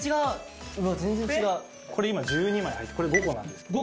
これ今１２枚これ５個なんですけど。